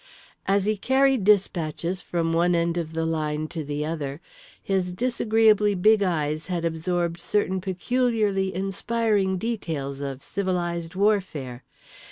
As he carried dispatches from one end of the line to the other his disagreeably big eyes had absorbed certain peculiarly inspiring details of civilised warfare.